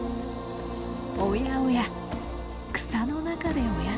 おやおや草の中でお休み中。